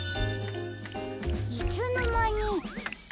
いつのまに。